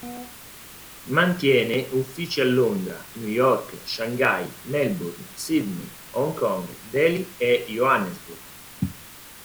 Mantiene uffici a Londra, New York, Shanghai, Melbourne, Sydney, Hong Kong, Delhi e Johannesburg.